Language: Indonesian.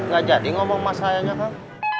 gak jadi ngomong mas ayahnya kan